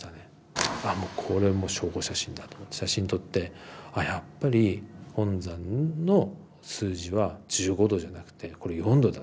「あもうこれもう証拠写真だ」と思って写真撮って「あやっぱり本山の数字は１５°じゃなくてこれ４°だ。